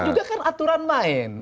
juga kan aturan main